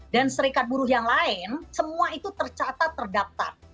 dan serikat buru yang lain semua itu tercatat terdaftar